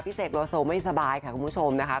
เสกโลโซไม่สบายค่ะคุณผู้ชมนะคะ